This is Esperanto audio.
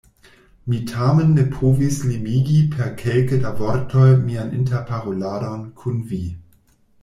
Mi tamen ne povis limigi per kelke da vortoj mian interparoladon kun vi.